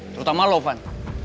terutama lo ivan